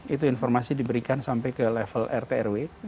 itu informasi diberikan sampai ke level rt rw